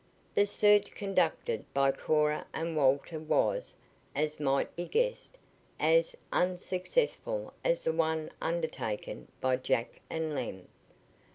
The search conducted by Cora and Walter was, as might be guessed, as unsuccessful as the one undertaken by Jack and Lem.